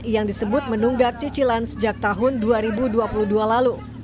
yang disebut menunggak cicilan sejak tahun dua ribu dua puluh dua lalu